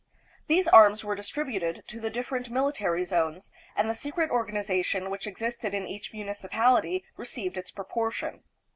These arms were distributed to the different military zones, and the secret organization which existed in each municipality received its proportion.